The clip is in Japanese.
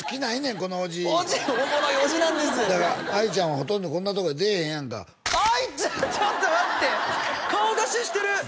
この伯父伯父おもろい伯父なんですだからあいちゃんはほとんどこんなとこへ出えへんやんかあいちゃんちょっと待って顔出ししてる！